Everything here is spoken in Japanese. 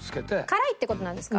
辛いって事なんですか？